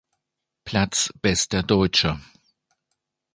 Platz bester Deutscher.